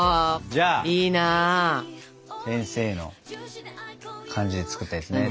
じゃあ先生の感じで作ったやつね。